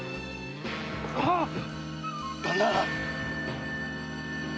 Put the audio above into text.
旦那！